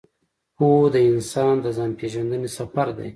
پوهه د انسان د ځان پېژندنې سفر دی.